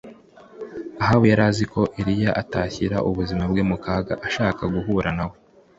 Ahabu yari azi ko Eliya atashyira ubuzima bwe mu kaga ashaka guhura na we